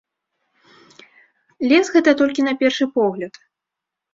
Лес гэта толькі на першы погляд.